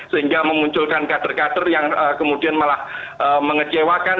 sehingga memunculkan kader kader yang kemudian malah mengecewakan